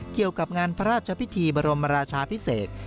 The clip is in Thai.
เกี่ยวกับงานพระราชพิธีบรมราชาพิเศษ